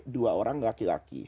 dua orang laki laki